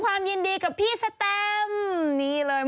อืมอืมอืมอืมอืม